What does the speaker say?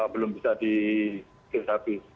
belum bisa dikisahkan